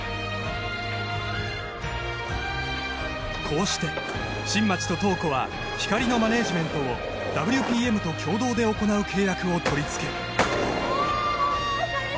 こうして新町と塔子はひかりのマネージメントをＷＰＭと共同で行う契約を取りつけるうおっひかり